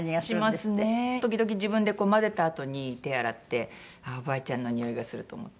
時々自分で混ぜたあとに手洗ってあっおばあちゃんの匂いがすると思って。